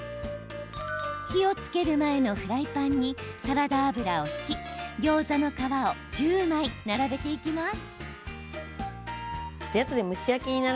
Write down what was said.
火をつける前のフライパンにサラダ油を引き、ギョーザの皮を１０枚並べていきます。